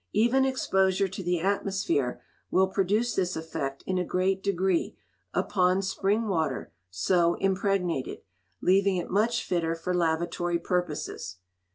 Even exposure to the atmosphere will produce this effect in a great degree upon spring water so impregnated, leaving it much fitter for lavatory purposes.